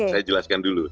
saya jelaskan dulu